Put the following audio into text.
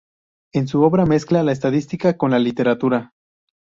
En su obra mezcla la estadística con la literatura.